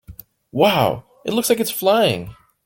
Wow! It looks like it is flying!